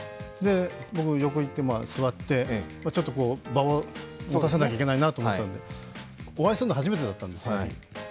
僕、横に行って座って、ちょっと場をもたさなきゃいけないなと思ってお会いするの、初めてだったんです１